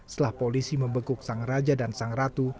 setelah polisi membekuk sang raja dan sang ratu